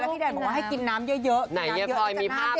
แล้วพี่แดนบอกว่าให้กินน้ำเยอะไหนเยอะมีภาพหรอ